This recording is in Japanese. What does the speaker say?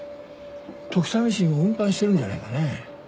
トキサミシンを運搬してるんじゃないかね。